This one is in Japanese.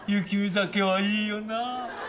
酒はいいよな。